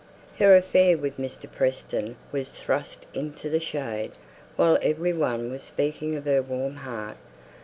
Her affair with Mr. Preston was thrust into the shade; while every one was speaking of her warm heart.